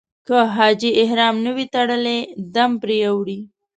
که حاجي احرام نه وي تړلی دم پرې اوړي.